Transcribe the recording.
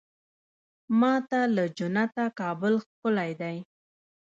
ما ته له جنته کابل ښکلی دی.